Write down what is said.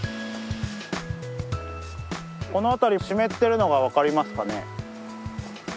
この辺り湿ってるのが分かりますかね。